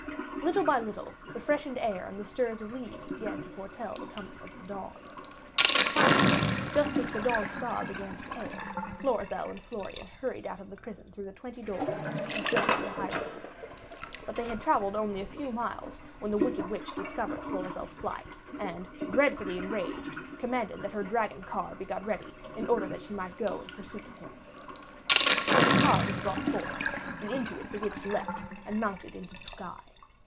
Little by little the freshened air and the stir of leaves began to foretell the coming of the dawn. Finally, just as the dawn star began to pale, Florizel and Florian hurried out of the prison through the twenty doors, and fled to the highroad. But they had traveled only a few miles, when the wicked witch discovered Florizel's flight, and, dreadfully enraged, commanded that her dragon car be got ready in order that she might go in pursuit of him. So the car was brought forth, and into it the witch leaped, and mounted into the sky.